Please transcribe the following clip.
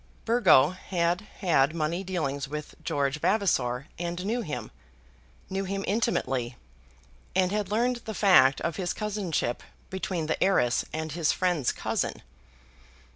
Burgo had had money dealings with George Vavasor, and knew him, knew him intimately, and had learned the fact of his cousinship between the heiress and his friend's cousin.